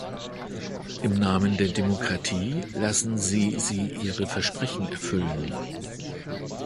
Im Namen der Demokratie, lassen Sie sie ihre Versprechen erfüllen!